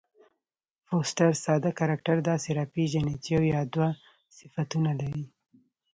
فوسټر ساده کرکټر داسي راپېژني، چي یو یا دوه صفتونه لري.